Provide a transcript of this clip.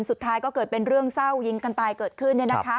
สุดท้ายก็เกิดเป็นเรื่องเศร้ายิงกันตายเกิดขึ้น